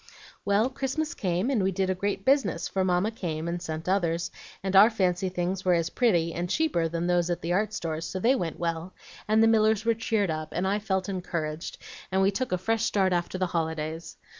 "Well, Christmas came, and we did a great business, for Mamma came and sent others, and our fancy things were as pretty and cheaper than those at the art stores, so they went well, and the Millers were cheered up, and I felt encouraged, and we took a fresh start after the holidays.